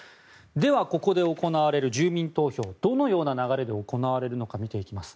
では、ここで行われる住民投票どのような流れで行われるのか見ていきます。